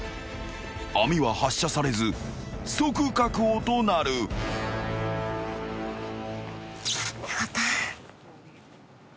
［網は発射されず即確保となる］よかった。